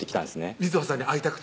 瑞穂さんに会いたくて？